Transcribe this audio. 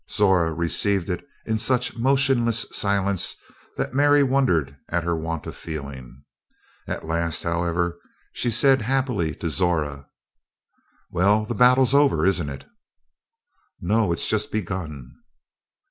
Zora received it in such motionless silence that Mary wondered at her want of feeling. At last, however, she said happily to Zora: "Well, the battle's over, isn't it?" "No, it's just begun."